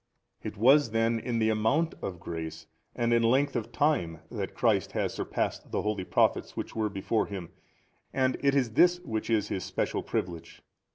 A. It was then in the amount of grace and in length of time that Christ has surpassed the holy Prophets which were before Him, and it is this which is His special privilege.